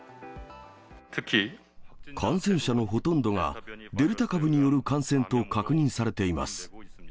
感染者のほとんどがデルタ株による感染と確認されています。